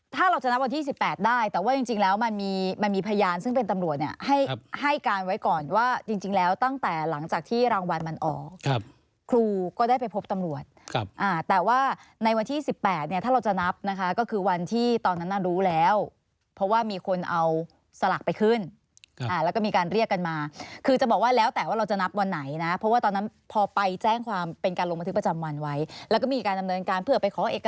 ถ้าเราจะนับวันที่๑๘ได้แต่ว่าจริงแล้วมันมีมันมีพยานซึ่งเป็นตำรวจให้ให้การไว้ก่อนว่าจริงแล้วตั้งแต่หลังจากที่รางวัลมันออกครับครูก็ได้ไปพบตำรวจครับแต่ว่าในวันที่๑๘เนี่ยถ้าเราจะนับนะคะก็คือวันที่ตอนนั้นรู้แล้วเพราะว่ามีคนเอาสลักไปขึ้นแล้วก็มีการเรียกกันมาคือจะบอกว่าแล้วแต่